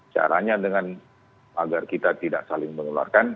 caranya dengan agar kita tidak saling menularkan